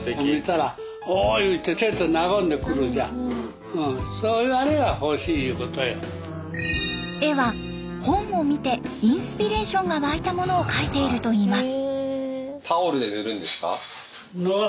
１０年前に絵は本を見てインスピレーションが湧いたものを描いているといいます。